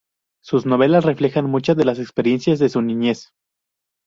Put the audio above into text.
Sus novelas reflejan muchas de las experiencias de su niñez.